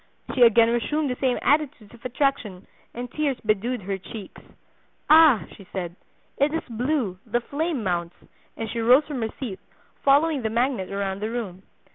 She again resumed the same attitudes of attraction, and tears bedewed her cheeks. 'Ah,' she said, 'it is blue, the flame mounts,' and she rose from her seat, following the magnet around the room.